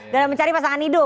dan mencari pasangan hidup